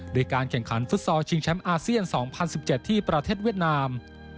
โดยการแข่งขันฟุตซอลชิงแชมป์อาเซียน๒๐๑๗ที่ประเทศเวียดนาม